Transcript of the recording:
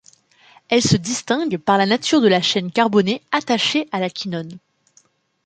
Elles se distinguent par la nature de la chaîne carbonée attachée à la quinone.